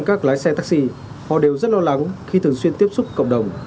các lái xe taxi họ đều rất lo lắng khi thường xuyên tiếp xúc cộng đồng